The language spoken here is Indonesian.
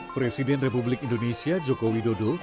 presiden republik indonesia jokowi dodo